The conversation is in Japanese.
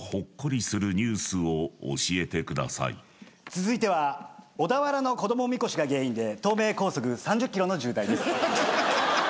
つづいては小田原の子供みこしが原因で東名高速３０ｋｍのじゅうたいです。